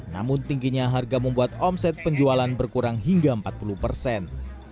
namun tingginya harga membuat omset penjualan berkurang hingga empat puluh persen